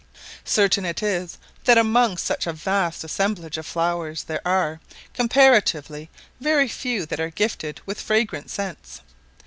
Certain it is that among such a vast assemblage of flowers, there are, comparatively, very few that are gifted with fragrant scents.